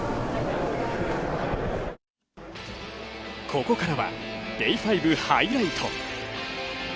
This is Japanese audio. ここからは、ＤＡＹ５ハイライト。